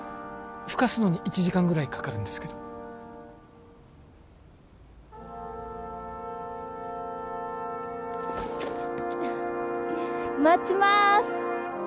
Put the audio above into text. ふかすのに１時間ぐらいかかるんですけど待ちまーす！